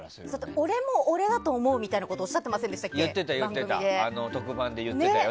俺も、俺だと思うっておっしゃってませんでしたっけ？